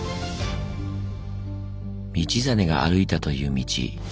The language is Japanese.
道真が歩いたという道。